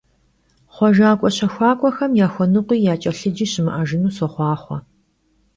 Xhuejjak'ue - şejjak'uexem yaxuenıkhui yaç'elhıci şımı'ejjınu soxhuaxhue!